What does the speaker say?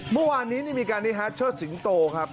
เมื่อวานนี้มีการเชิดสิงโตครับ